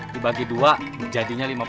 dibagi dua menjadinya lima puluh